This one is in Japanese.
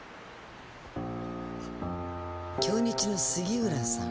京日の杉浦さん。